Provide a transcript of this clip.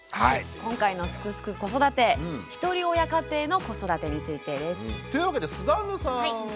今回の「すくすく子育て」「ひとり親家庭の子育て」についてです。というわけでスザンヌさんは。